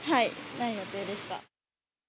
ない予定でした。